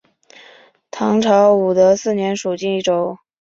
唐朝武德四年属济州。